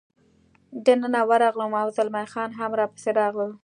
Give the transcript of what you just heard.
دننه ورغلم، او زلمی خان هم را پسې راغلل.